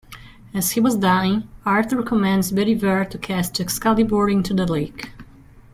As he was dying, Arthur commands Bedivere to cast Excalibur into the lake.